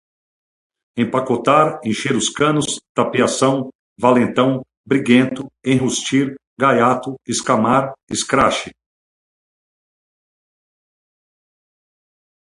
empacotar, encher os canos, tapeação, valentão, briguento, enrustir, gaiato, escamar, escrache